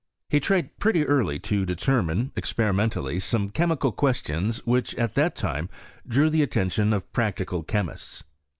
He tried pretty early to determine, experimentally, some chemical questions which at that time drew the at tention of practical chemists.